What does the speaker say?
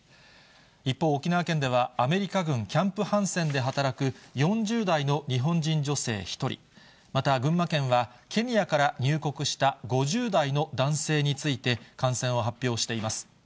一方、沖縄県ではアメリカ軍キャンプ・ハンセンで働く４０代の日本人女性１人、また群馬県はケニアから入国した５０代の男性について、感染を発表しています。